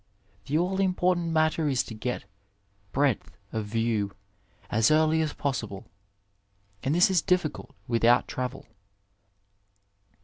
The aQ important matter is to get breadth of view as early as possible, and this is difficult without travel.